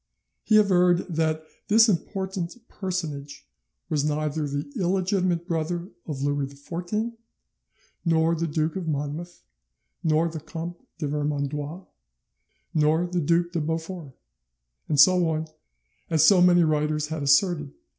He averred that this important personage was neither the illegitimate brother of Louis XIV, nor the Duke of Monmouth, nor the Comte de Vermandois, nor the Duc de Beaufort, and so on, as so many writers had asserted."